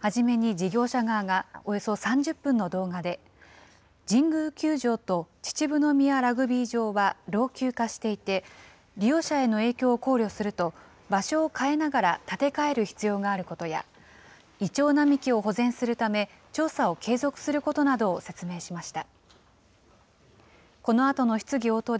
はじめに事業者側が、およそ３０分の動画で神宮球場と秩父宮ラグビー場は老朽化していて、利用者への影響を考慮すると、場所を変えながら建て替える必要があることや、イチョウ並木を保全するため、調査を継続することなどを説明しました。